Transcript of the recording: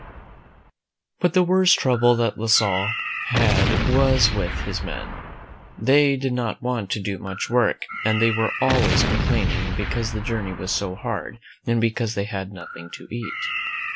But the worst trouble that La Salle had was with his men. They did not want to do much work, and they were always complaining because the journey was so hard and because they had nothing to eat.